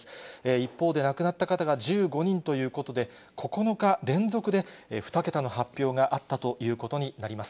一方で亡くなった方が１５人ということで、９日連続で２桁の発表があったということになります。